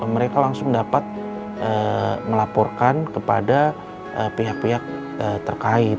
mereka langsung dapat melaporkan kepada pihak pihak terkait